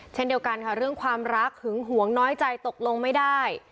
เช่นเดียวกันค่ะเรื่องความรักหึงหวงน้อยใจตกลงไม่ได้